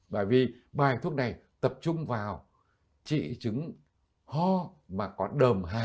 bởi vì bài thuốc này tập trung vào trị trứng hò mà có đờm hàn